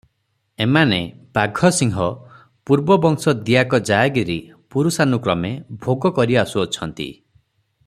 ଏମାନେ ବାଘସିଂହ ପୂର୍ବବଂଶ ଦିଆକ ଜାୟଗିରି ପୁରୁଷାନୁକ୍ରମେ ଭୋଗ କରି ଆସୁଅଛନ୍ତି ।